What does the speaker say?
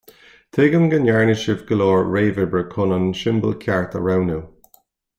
Tuigim go ndearna sibh go leor réamh-oibre chun an siombal ceart a roghnú.